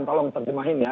tolong terjemahin ya